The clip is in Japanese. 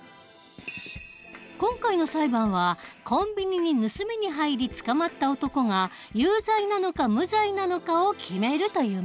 今回の裁判はコンビニに盗みに入り捕まった男が有罪なのか無罪なのかを決めるというものだ。